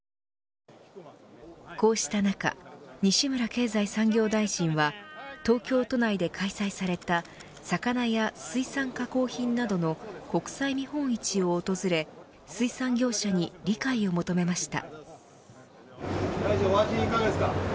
こうした中、西村経済産業大臣は東京都内で開催された魚や水産加工品などの国際見本市を訪れ水産業者に理解を求めました。